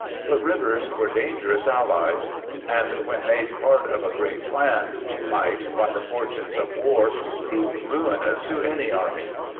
But rivers \|were dangerous allies, and when made part of a (great plan might, by the fortunes of war, prove ; ruinous to an army.